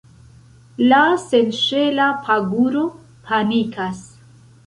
La senŝela paguro panikas.